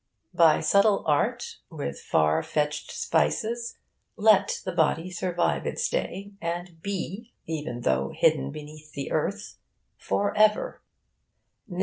By subtle art, with far fetched spices, let the body survive its day and be (even though hidden beneath the earth) for ever.